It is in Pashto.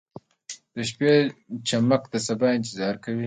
• د شپې چمک د سبا انتظار کوي.